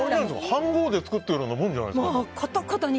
飯ごうで作ったようなものじゃないですか。